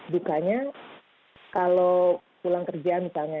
dukanya kalau pulang kerja misalnya